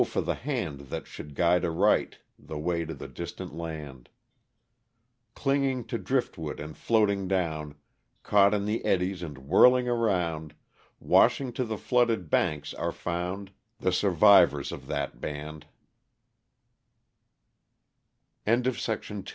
for the hand that should guide aright The way to the distant land ! Clinging to driftwood and floating down, Caught in the eddies and whirling around, Washed to the flooded banks are found The su